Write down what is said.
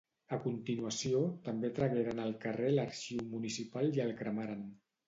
A continuació també tragueren al carrer l'arxiu municipal i el cremaren.